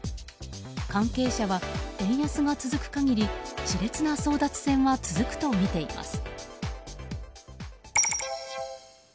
関係者は、円安が続く限り熾烈な争奪戦は続くとみています。